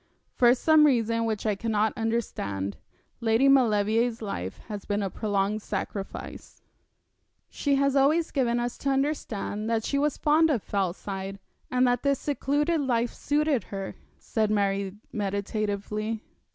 For some reason which I cannot understand, Lady Maulevrier's life has been a prolonged sacrifice.' 'She has always given us to understand that she was fond of Fellside, and that this secluded life suited her,' said Mary, meditatively.